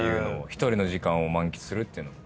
１人の時間を満喫するってのも。